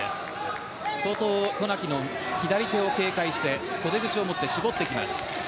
相当、渡名喜の左手を警戒して袖口を持って絞っていきます。